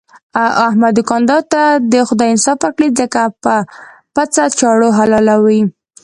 احمد دوکاندار ته دې خدای انصاف ورکړي، خلک په پڅه چاړه حلالوي.